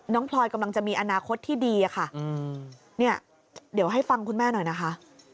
พลอยกำลังจะมีอนาคตที่ดีอะค่ะเนี่ยเดี๋ยวให้ฟังคุณแม่หน่อยนะคะ